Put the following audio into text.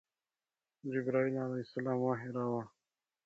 جبرائیل علیه السلام وحی راوړ.